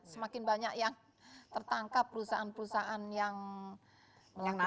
semakin banyak yang tertangkap perusahaan perusahaan yang melakukan